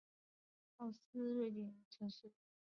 奥胡斯是瑞典的一座城市。